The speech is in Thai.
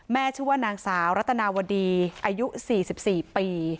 ชื่อว่านางสาวรัตนาวดีอายุ๔๔ปี